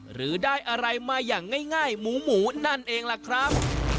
หรือได้อะไรมาอย่างง่ายหมูหมูนั่นเองล่ะครับ